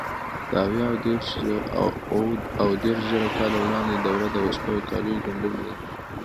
د اویا او دېرشزره کاله وړاندې دوره د وسلو او کالیو ګنډلو ده.